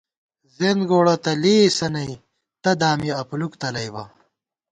زِیَنت گوڑہ تہ لېئیسَہ نی، تہ دامی اپلُوک تلئیبہ